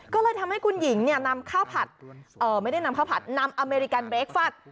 ก็เลยทำให้คุณหญิงเนี่ยนำข้าวผัดไม่ได้นำข้าวผัดนำอเมริกันเรคฟัด